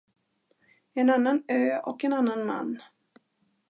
En annan ö och en annan man.